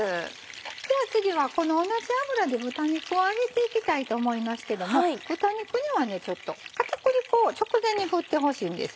じゃあ次はこの同じ油で豚肉を揚げていきたいと思いますけども豚肉には片栗粉を直前に振ってほしいんです。